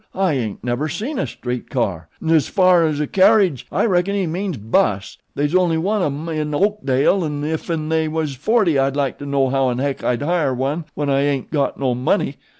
I ain't never seen a street car, 'n'as fer a carriage, I reckon he means bus, they's only one on 'em in Oakdale 'n'if they waz forty I'd like to know how in hek I'd hire one when I ain't got no money.